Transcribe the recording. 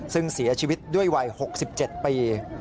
ซึ่งเสียชีวิตด้วยวัย๖๗ปี